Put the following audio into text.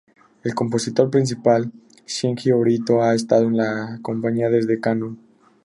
El compositor principal, Shinji Orito, ha estado en la compañía desde "Kanon".